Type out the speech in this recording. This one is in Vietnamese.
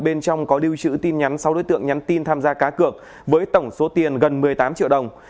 bên trong có lưu trữ tin nhắn sáu đối tượng nhắn tin tham gia cá cược với tổng số tiền gần một mươi tám triệu đồng